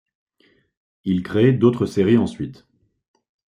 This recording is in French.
Il crée d'autres séries ensuite.